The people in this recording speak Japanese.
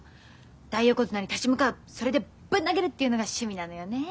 大横綱に立ち向かうそれでぶん投げるっていうのが趣味なのよね。